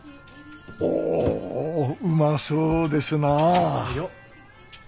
おおうまそうですな